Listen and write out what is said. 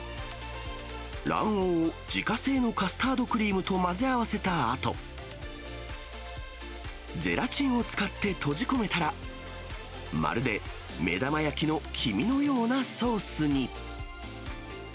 卵黄を自家製のカスタードクリームと混ぜ合わせたあと、ゼラチンを使って閉じ込めたら、まるで目玉焼きの黄身のようなソースに。